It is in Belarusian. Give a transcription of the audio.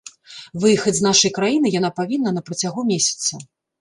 Выехаць з нашай краіны яна павінна на працягу месяца.